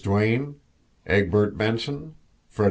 DUANE EGBT. BENSON FRED.